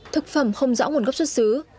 thực phẩm không rõ nguồn gốc xuất xứ